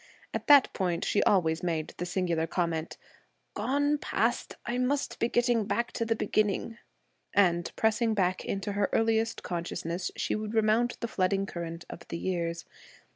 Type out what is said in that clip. At that point, she always made the singular comment, 'Gone past! I must be getting back to the beginning,' and, pressing back into her earliest consciousness, she would remount the flooding current of the years.